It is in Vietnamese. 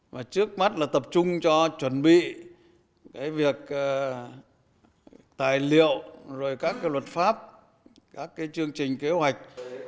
và trước mắt là tập trung cho chuẩn bị cái việc tài liệu rồi các cái luật pháp các cái chương trình kế hoạch